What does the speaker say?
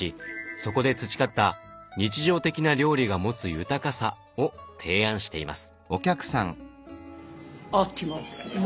そこで培った「日常的な料理が持つ豊かさ」を提案しています。